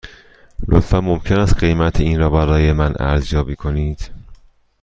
لطفاً ممکن است قیمت این را برای من ارزیابی کنید؟